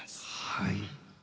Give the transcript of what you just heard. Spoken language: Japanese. はい。